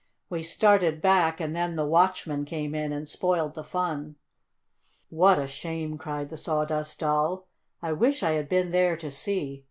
We started back and then the watchman came in and spoiled the fun." "What a shame!" cried the Sawdust Doll. "I wish I had been there to see.